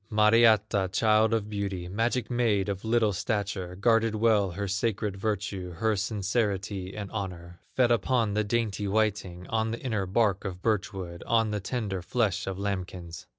Mariatta, child of beauty, Magic maid of little stature, Guarded well her sacred virtue, Her sincerity and honor, Fed upon the dainty whiting, On the inner bark of birch wood, On the tender flesh of lambkins.